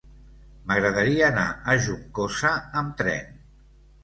M'agradaria anar a Juncosa amb tren.